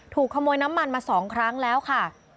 ขโมยน้ำมันมา๒ครั้งแล้วค่ะ